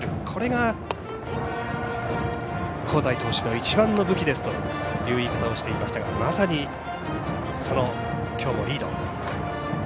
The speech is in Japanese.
これが香西投手の一番の武器ですという言い方をしていましたがまさに、そのきょうもリード。